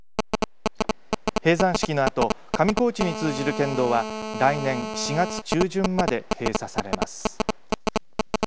閉山式のあと上高地に通じる県道は来年４月中旬まで閉鎖されます。